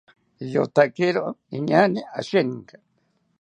Iyotakiro inaañe asheninka